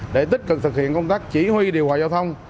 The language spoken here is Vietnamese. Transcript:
để tích cực thực hiện công tác chỉ huy điều hòa giao thông